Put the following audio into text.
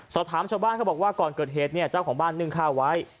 ชาวบ้านเขาบอกว่าก่อนเกิดเหตุเนี่ยเจ้าของบ้านนึ่งข้าวไว้